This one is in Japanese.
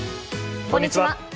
こんにちは。